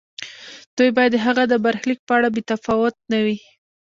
دوی باید د هغه د برخلیک په اړه بې تفاوت نه وي.